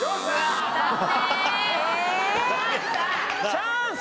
チャンス！